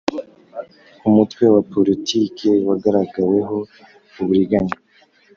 Umutwe wa Politiki wagaragaweho uburiganya